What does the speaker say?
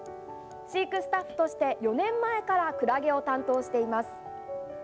飼育スタッフとして４年前からクラゲを担当しています。